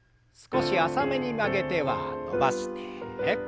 少し浅めに曲げては伸ばして。